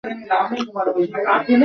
ওহো, জোলি সিং জি কেও goodbye বলা হয় নি।